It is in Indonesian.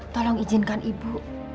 tolong izinkan ibu